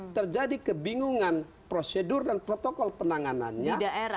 terjadi kebingungan prosedur dan protokol penanganannya